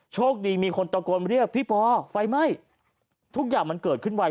โชคดีมีคนตะโกนเรียกพี่ปอไฟไหม้ทุกอย่างมันเกิดขึ้นไว